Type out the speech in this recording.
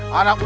suara apa itu